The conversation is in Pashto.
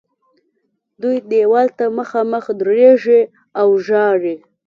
دوی دیوال ته مخامخ درېږي او ژاړي.